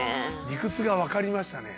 理屈がわかりましたね。